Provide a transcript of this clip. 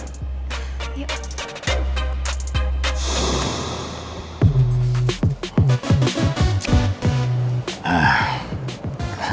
itu lo ditanyain mel kodima aja kamu